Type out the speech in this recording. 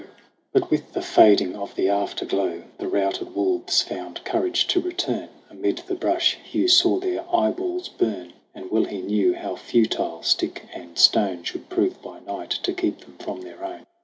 THE CRAWL 71 But with the fading of the afterglow The routed wolves found courage to return : Amid the brush Hugh saw their eye balls burn ; And well he knew how futile stick and stone Should prove by night to keep them from their own.